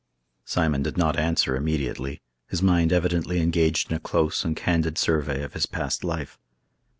Simon did not answer immediately—his mind evidently engaged in a close and candid survey of his past life.